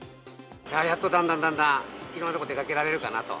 やっとだんだんだんだん、いろんな所に出かけられるかなと。